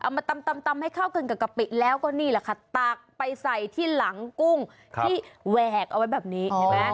มาตำให้เข้ากันกับกะปิแล้วก็นี่แหละค่ะตักไปใส่ที่หลังกุ้งที่แหวกเอาไว้แบบนี้เห็นไหม